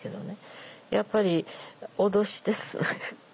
やっぱり脅しです。